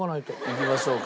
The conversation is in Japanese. いきましょうか。